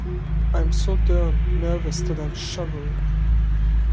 I'm so darn nervous that I'm shivering.